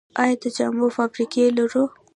آیا د جامو فابریکې لرو؟